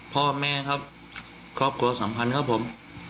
พ่อแม่ครับครอบครัวสัมพันธ์ครับผม